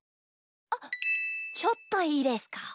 あちょっといいですか？